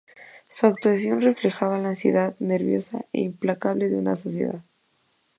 Su actuación reflejaba la ansiedad nerviosa e implacable de una sociedad...